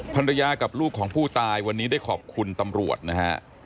ภรรยากับลูกของผู้ตายวันนี้ได้ขอบคุณตำรวจนะฮะ